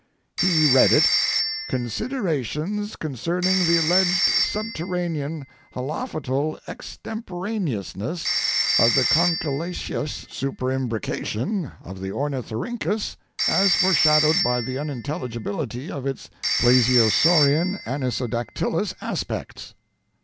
He read it: "Considerations concerning the alleged subterranean holophotal extemporaneousness of the conchyliaceous superimbrication of the Ornithorhyncus, as foreshadowed by the unintelligibility of its plesiosaurian anisodactylous aspects."